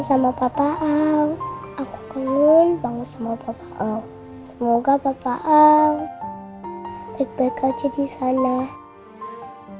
sama papaan aku kunun banget sama bapak semoga bapak baik baik aja di sana